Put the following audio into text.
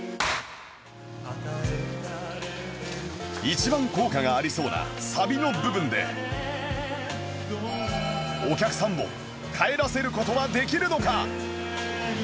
一番効果がありそうなサビの部分でお客さんを帰らせる事はできるのか？